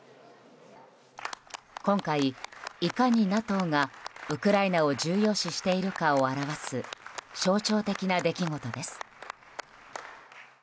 今回、いかにＮＡＴＯがウクライナを重要視しているかを表す象徴的な出来事です。